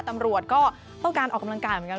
ตำรวจก็ต้องการออกกำลังกายเหมือนกัน